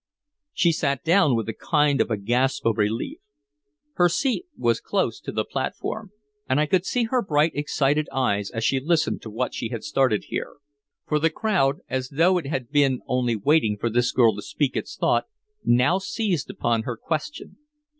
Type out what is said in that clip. She sat down with a kind of a gasp of relief. Her seat was close to the platform, and I could see her bright excited eyes as she listened to what she had started here. For the crowd, as though it had only been waiting for this girl to speak its thought, now seized upon her question.